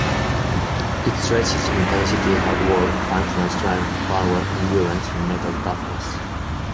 It stresses intensity, hard work, functional strength, power, endurance and mental toughness.